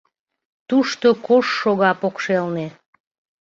Тушто кож шога покшелне